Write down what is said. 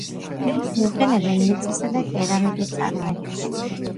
იყენებენ მინისა და კერამიკის წარმოებაში.